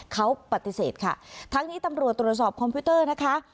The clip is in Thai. เขาปฏิเสธค่ะทั้งนี้ตำรวจตรวจสอบคอมพิวเตอร์นะคะ